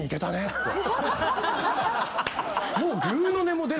もう。